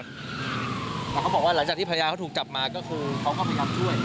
แต่เขาบอกว่าหลังจากที่ภรรยาเขาถูกจับมาก็คือเขาก็พยายามช่วย